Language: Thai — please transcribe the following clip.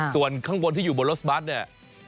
ส่วนข้างบนที่อยู่บนรถบัตรเนี่ย